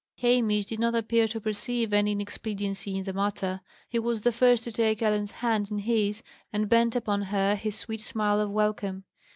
Hamish did not appear to perceive any inexpediency in the matter. He was the first to take Ellen's hand in his, and bend upon her his sweet smile of welcome.